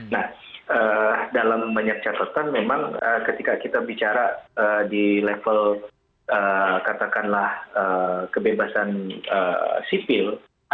nah dalam banyak catatan memang ketika kita bicara di level katakanlah kebebasan sipil